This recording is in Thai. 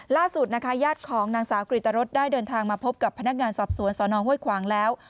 ล่าสุดนะคะญาติของนางสาวกริตรรสได้เดินทางมาพบกับพนักงานสอบสวนสนห้วยขวางแล้ว